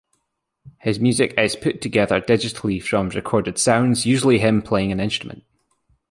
His music is put together digitally from recorded sounds, usually him playing an instrument.